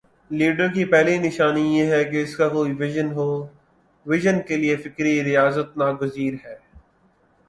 Leader کی پہلی نشانی یہ ہے کہ اس کا کوئی وژن ہو وژن کے لیے فکری ریاضت ناگزیر ہے۔